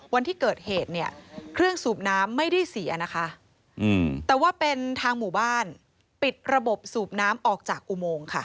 วันที่เกิดเหตุเนี่ยเครื่องสูบน้ำไม่ได้เสียนะคะแต่ว่าเป็นทางหมู่บ้านปิดระบบสูบน้ำออกจากอุโมงค่ะ